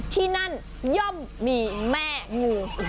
ที่นั่นย่อมมีแม่งู